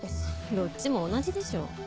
どっちも同じでしょ。